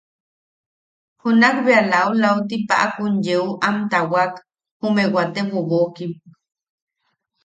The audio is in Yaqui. Junak bea laulauti paʼakun yeu am tawaak jume wate bobokim.